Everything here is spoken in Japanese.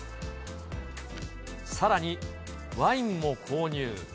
さらにワインも購入。